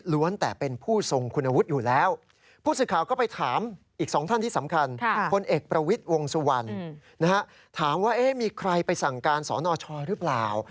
และที่สำคัญผลเอกประวิทธิ์วงสุวรรณถามว่ามีใครไปสั่งการศนชหรือเปล่า